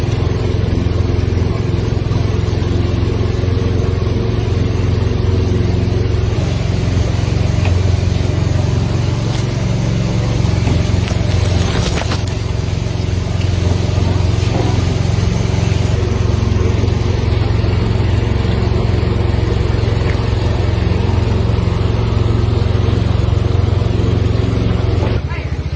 สวัสดีครับ